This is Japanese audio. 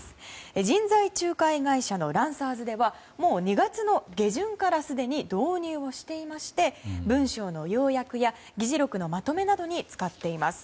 人材仲介会社のランサーズではすでに２月の下旬から導入をしていまして文章の要約や議事録のまとめなどに使っています。